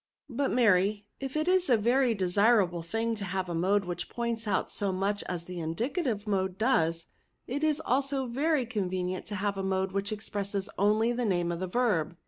'"*^ But, Mary, if it is a very desirable thing to have a mode which points out so much as the indicative mode does, it is also very con venient to have a mode which expresses only the name of the verb.